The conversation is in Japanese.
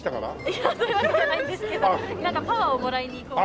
いやそういうわけじゃないんですけどなんかパワーをもらいに行こうと。